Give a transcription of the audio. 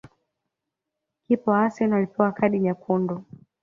Kipa wa Arsenal alipewa kadi nyekundu